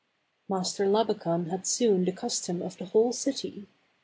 Master Labakan had soon the custom of the whole city.